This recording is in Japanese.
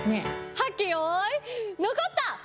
はっけよいのこった！